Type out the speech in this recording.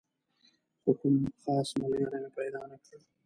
خو کوم خاص ملګری مې پیدا نه کړ.